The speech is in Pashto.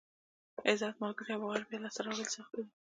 عزت، ملګري او باور بیا لاسته راوړل سخت دي.